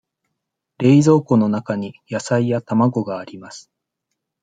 冷蔵庫の中に野菜や卵があります。